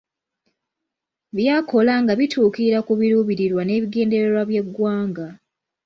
By'akola nga bituukira ku biruubirirwa n’ebigendererwa by’eggwanga.